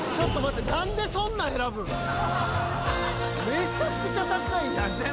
めちゃくちゃ高い！